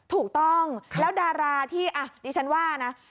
ถูกต้องแล้วดาราที่ดิฉันว่านะ